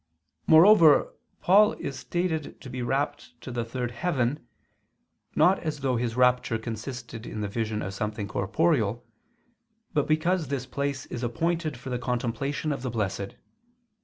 Moreover Paul is stated to be rapt to the "third heaven," not as though his rapture consisted in the vision of something corporeal, but because this place is appointed for the contemplation of the blessed.